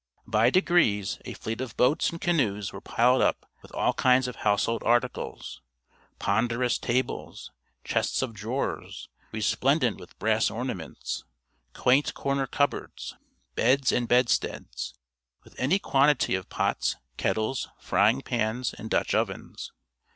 By degrees a fleet of boats and canoes were piled up with all kinds of household articles; ponderous tables; chests of drawers, resplendent with brass ornaments, quaint corner cupboards; beds and bedsteads; with any quantity of pots, kettles, frying pans, and Dutch ovens.